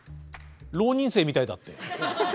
浪人生みたいだって。